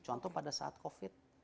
contoh pada saat covid